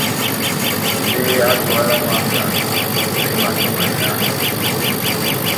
Ndé ǎ Dualá Manga, muléma tɔ mayǎ.